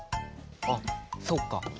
あっそっか。